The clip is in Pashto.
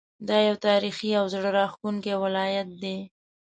دا یو تاریخي او زړه راښکونکی ولایت دی.